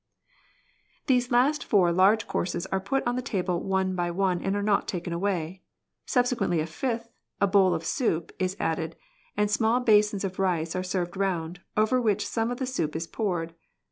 These last four large courses are put on the table one by one and are not taken away. Subsequently a fifth, a bowl of soup, is added, and small basins of rice are served round, over which some of the soup is poured.